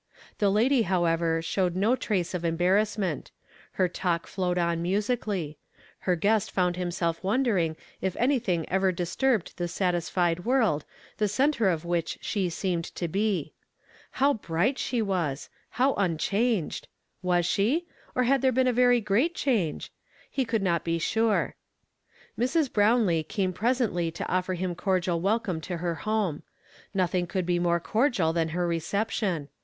The lady, !i....ever, showed no trace of en.l)arrassni«'nt; her talk flowed on mu sically ; h( r guest found himself wondering if anything .^ver disltirbed the satisfied wor^d the centre of uhidi she seemed to be. IIow b^■i^dlt she was! how unchanged ! Was she '' <n' had there be(>u a very great change? He could not l>e sure. Mrs. Hrownlee came presently to offer him cordial wclcouie to her home ; nothing could be more cor dial than her reception.